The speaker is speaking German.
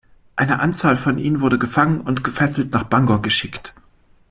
Eine Anzahl von ihnen wurde gefangen und gefesselt nach Bangor geschickt.